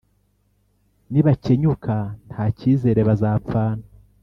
Nibakenyuka nta cyizere bazapfana,